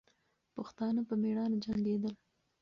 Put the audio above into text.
پښتانه په میړانه جنګېدل.